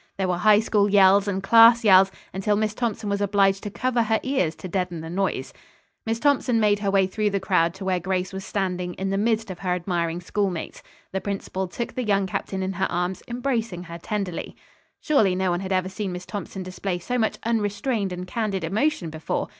There were High School yells and class yells until Miss Thompson was obliged to cover her ears to deaden the noise. Miss Thompson made her way through the crowd to where Grace was standing in the midst of her admiring schoolmates. The principal took the young captain in her arms, embracing her tenderly. Surely no one had ever seen Miss Thompson display so much unrestrained and candid emotion before.